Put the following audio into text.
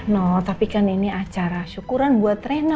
no tapi kan ini acara syukuran buat rena